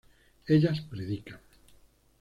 ellas predican